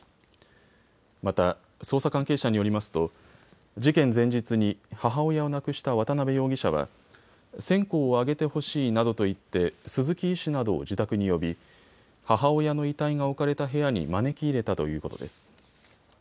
また捜査関係者によりますと事件前日に母親を亡くした渡邊容疑者は線香をあげてほしいなどと言って鈴木医師などを自宅に呼び母親の遺体が置かれた部屋に招き入れたということです。